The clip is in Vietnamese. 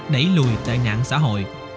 đẩy lùi tệ nạn xã hội